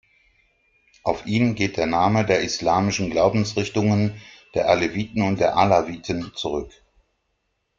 Auf ihn geht der Name der islamischen Glaubensrichtungen der Aleviten und der Alawiten zurück.